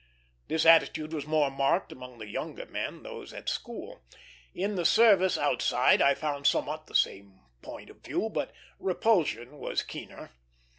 This attitude was more marked among the younger men, those at the school. In the service outside I found somewhat the same point of view, but repulsion was keener.